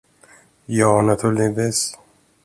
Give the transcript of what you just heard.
Ja, naturligtvis.